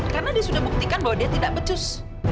karena dia sudah buktikan bahwa dia tidak becus